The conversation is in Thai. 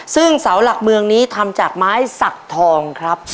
ซึ่งเสาหลักเมืองนี้ทำจากไม้สักทองครับ